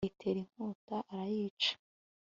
ayitera inkota, arayica